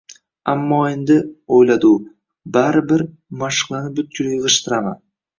«Ammo endi, — o‘yladi u, — baribir, mashqlarni butkul yig‘ishtiraman.